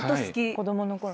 子供のころ。